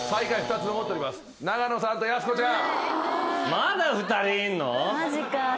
まだ２人いんの！？